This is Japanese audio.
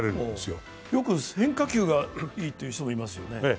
よく、変化球がいいという人がいますよね。